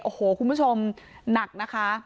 โอ้โหคุณผู้ชมหนักนะคะ